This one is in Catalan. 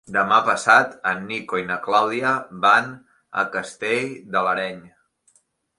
Demà passat en Nico i na Clàudia van a Castell de l'Areny.